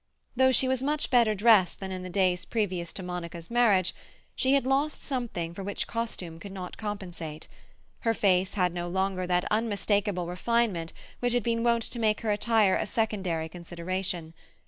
Though she was much better dressed than in the days previous to Monica's marriage, she had lost something for which costume could not compensate: her face had no longer that unmistakable refinement which had been wont to make her attire a secondary consideration.